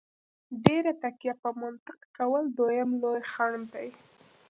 ډېره تکیه په منطق کول دویم لوی خنډ دی.